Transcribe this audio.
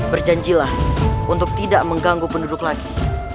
berjanjilah untuk tidak mengganggu penduduk lagi